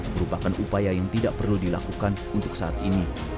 merupakan upaya yang tidak perlu dilakukan untuk saat ini